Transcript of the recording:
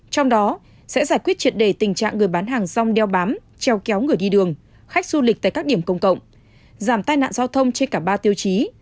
trong đó sẽ giải quyết triệt đề tình trạng người bán hàng rong đeo bám treo kéo người đi đường khách du lịch tại các điểm công cộng giảm tai nạn giao thông trên cả ba tiêu chí